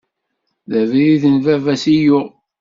D abrid n baba-s i yuɣ.